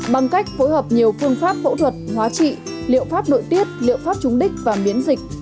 bằng cách phối hợp nhiều phương pháp phẫu thuật hóa trị liệu pháp nội tiết liệu pháp chúng đích và biến dịch